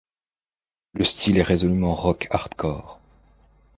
Le style est résolument rock hardcore.